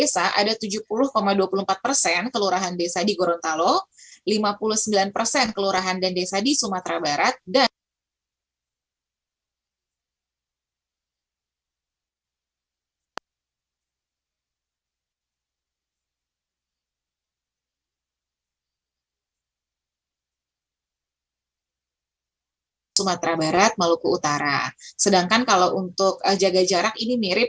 sedangkan kalau untuk jaga jarak ini mirip